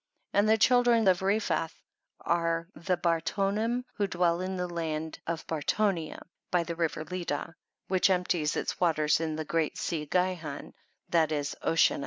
9. And the children of Rephath are the Bartonim, who dwell in the land of Bartonia by the river Ledah which empties its waters in the great *sea Gihon, that is, oceanus.